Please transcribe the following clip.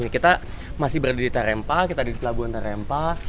kita masih berada di terempa kita ada di pelabuhan terempa